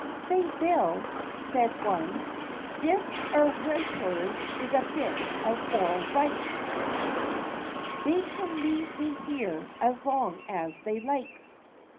" Say, Bill," said one, " this 'ere Wipers is a bit of orl right. They can leave me here as long as they likes."